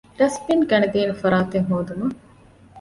ޑަސްބިން ގަނެދޭނެ ފަރާތެއް ހޯދުމަށް